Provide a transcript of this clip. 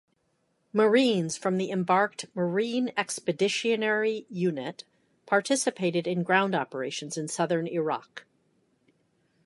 Marines from the embarked Marine Expeditionary Unit participated in ground operations in southern Iraq.